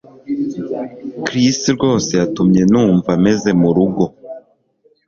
Chris rwose yatumye numva meze murugo